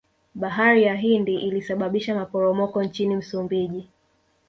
bahari ya hindi ilisababisha maporomoko nchini msumbiji